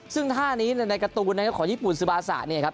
ซึ่งท่านี้ในในการ์ตูนของญี่ปุ่นซิบาซ่ะเนี้ยครับ